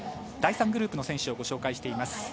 第３グループの選手をご紹介します。